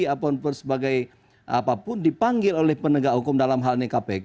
apapun dipanggil oleh penegak hukum dalam hal ini kpk